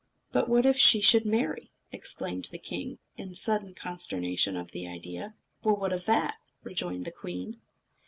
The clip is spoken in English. "But what if she should marry?" exclaimed the king, in sudden consternation at the idea. "Well, what of that?" rejoined the queen.